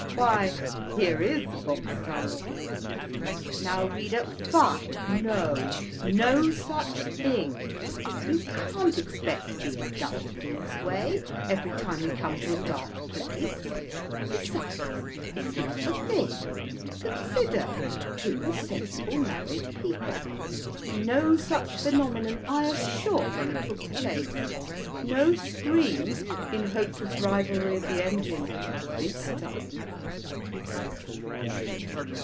why, here is the Box Tunnel!" Now, reader fie! no! no such thing! you can't expect to be indulged in this way every time we come to a dark place. Besides, it is not the thing. Consider two sensible married people. No such phenomenon, I assure you, took place. No scream in hopeless rivalry of the engine this time!